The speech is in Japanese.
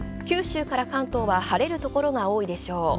九州から関東は晴れるところが多いでしょう。